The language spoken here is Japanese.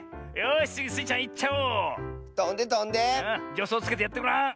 じょそうつけてやってごらん。